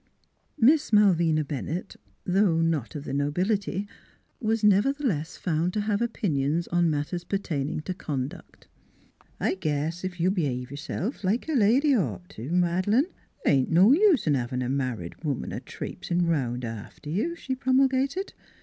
Miss Malvina Bennett (though not of the nobility) was never theless found to have opinions on matters per taining to conduct. " I guess ef you b'have yourself like a lady'd ought, Mad'lane, th' ain't no use in havin' a mar ried woman a traipsin' 'round after you," she promulgated.